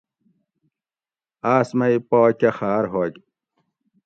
آۤس مئی پا کۤہ خاۤر ہوگ